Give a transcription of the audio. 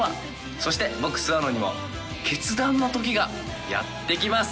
そして僕、諏訪野にも決断のときがやって来ます。